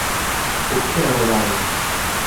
Ho kervel a rin.